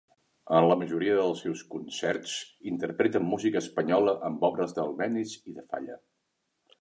En la majoria dels seus concerts interpreten música espanyola amb obres d'Albéniz i de Falla.